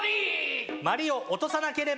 鞠を落とさなければ。